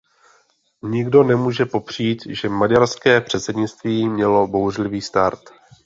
Nikdo nemůže popřít, že maďarské předsednictví mělo bouřlivý start.